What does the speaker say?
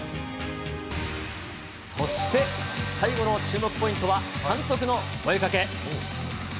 そして最後の注目ポイントは、監督の声掛け。